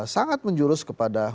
sangat menjurus kepada